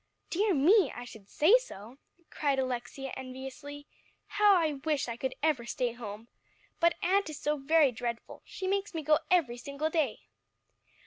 "Dear me! I should say so," cried Alexia enviously. "How I wish I could ever stay home! But aunt is so very dreadful, she makes me go every single day."